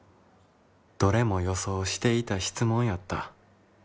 「どれも予想していた質問やった」。